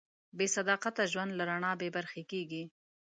بېصداقته ژوند له رڼا بېبرخې کېږي.